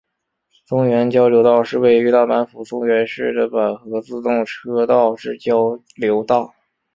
松原交流道是位于大阪府松原市的阪和自动车道之交流道。